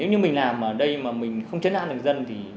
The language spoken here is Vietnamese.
nếu như mình làm ở đây mà mình không chấn an được dân thì